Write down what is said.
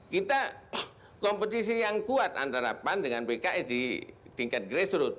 kita kompetisi yang kuat antara pan dengan pks di tingkat grassroots